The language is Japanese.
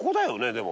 でも。